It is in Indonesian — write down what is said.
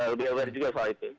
lebih aware juga soal itu